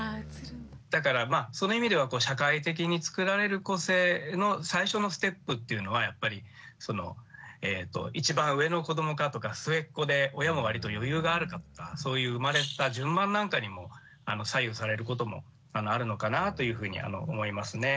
だからその意味では社会的に作られる個性の最初のステップっていうのはやっぱり一番上の子どもかとか末っ子で親も割と余裕があるかとかそういう生まれた順番なんかにも左右されることもあるのかなというふうには思いますね。